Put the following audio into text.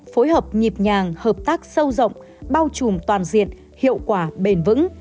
phối hợp nhịp nhàng hợp tác sâu rộng bao trùm toàn diện hiệu quả bền vững